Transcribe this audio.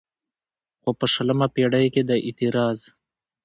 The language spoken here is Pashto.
خو په شلمه پېړۍ کې دا اعتراض